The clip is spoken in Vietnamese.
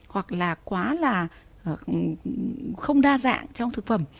hoặc là quá là không đa dạng trong thực phẩm